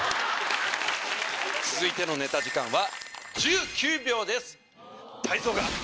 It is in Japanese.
続いてのネタ時間は。